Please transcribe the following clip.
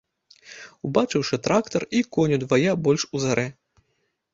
Убачыўшы трактар, і конь удвая больш узарэ.